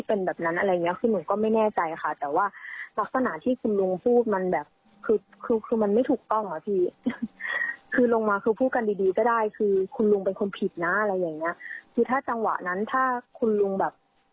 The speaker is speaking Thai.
เอ้าพี่เขาพูดให้ฟังหน่อยครับ